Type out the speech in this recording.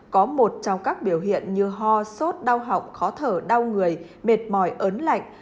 có một trong các biểu hiện như ho sốt đau họng khó thở đau người mệt mỏi ớn lạnh